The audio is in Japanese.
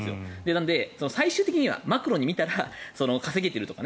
なので、最終的にはマクロに見たら稼げているとか。